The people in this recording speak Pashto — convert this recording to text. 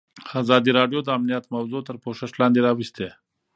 ازادي راډیو د امنیت موضوع تر پوښښ لاندې راوستې.